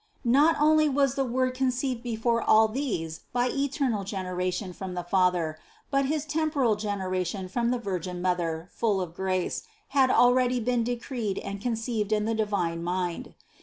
Not only was the Word conceived before all these by eternal generation from the Father, but His temporal generation from the Virgin Mother full of grace, had already been decreed and conceived in the divine mind.